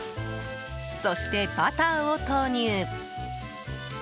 そしてバターを投入。